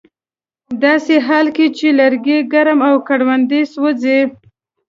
ه داسې حال کې چې لرګي ګرم او ګړندي سوځي